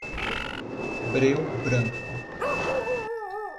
Breu Branco